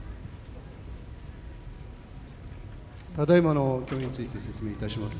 ただいまの勝負について説明いたします。